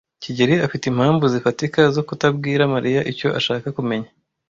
kigeli afite impamvu zifatika zo kutabwira Mariya icyo ashaka kumenya.